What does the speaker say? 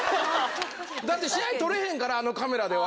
だって試合、撮れへんから、あのカメラでは。